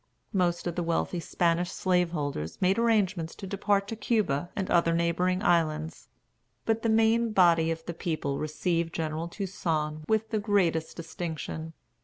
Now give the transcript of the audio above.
Most of the wealthy Spanish slaveholders made arrangements to depart to Cuba and other neighboring islands. But the main body of the people received General Toussaint with the greatest distinction.